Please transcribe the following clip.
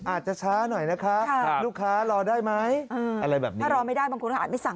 อาจจะช้าหน่อยนะคะลูกค้ารอได้ไหมอะไรแบบนี้ถ้ารอไม่ได้บางคนก็อาจไม่สั่ง